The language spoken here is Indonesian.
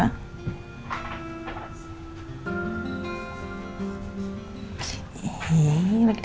aku mau berjalan